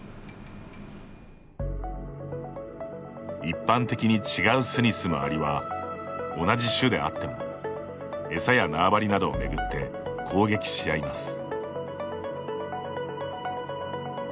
一般的に、違う巣に住むアリは同じ種であっても餌や縄張りなどを巡って攻撃し合います。